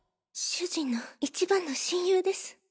主人の一番の親友です。